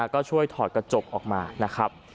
ก็ช่วยถอดกระจกออกมานะครับ